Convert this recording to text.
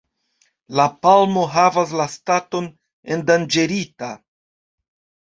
La palmo havas la staton "endanĝerita“.